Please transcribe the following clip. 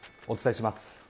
お伝えします。